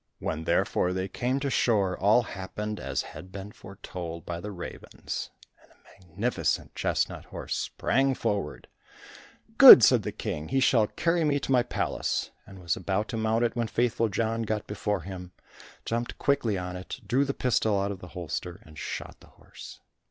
When therefore they came to shore, all happened as had been foretold by the ravens, and a magnificent chestnut horse sprang forward. "Good," said the King, "he shall carry me to my palace," and was about to mount it when Faithful John got before him, jumped quickly on it, drew the pistol out of the holster, and shot the horse.